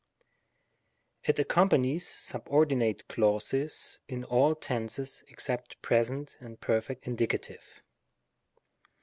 It accompa nies subordinate clauses in all tenses except Pres. and Perf. Indie.